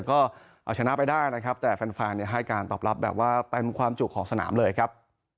ก็เอาชนะไปได้นะครับแต่แฟนให้การตอบรับแบบว่าเต็มความจุของสนามเลยครับ